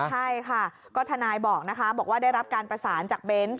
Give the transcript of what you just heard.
ใช่ค่ะก็ทนายบอกนะคะบอกว่าได้รับการประสานจากเบนส์